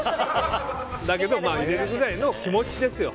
だけど入れるぐらいの気持ちですよ。